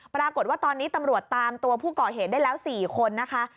ปรากฏว่าตอนนี้ตำรวจตามตัวผู้ก่อเหตุได้แล้ว๔คนนะคะ